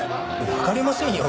わかりませんよ